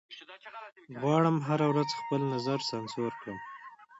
غواړم هره ورځ خپل نظر سانسور کړم